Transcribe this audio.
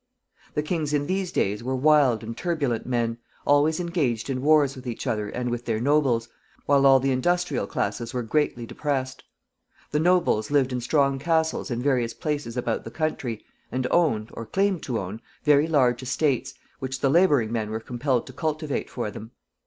The kings in these days were wild and turbulent men, always engaged in wars with each other and with their nobles, while all the industrial classes were greatly depressed. The nobles lived in strong castles in various places about the country, and owned, or claimed to own, very large estates, which the laboring men were compelled to cultivate for them.